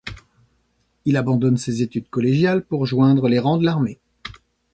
Il abandonne ses études collégiales pour joindre les rangs de l'armée.